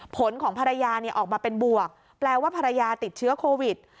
ผลของภรรยาออกมาเป็นบวกแปลว่าภรรยาติดเชื้อโควิด